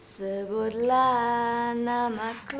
sebutlah nama ku